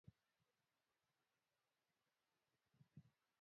wadudu waharibifu hupenda kushambulia Viazi lis